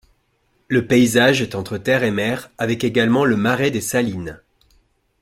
Le paysage est entre terre et mer avec également le marais des Salines.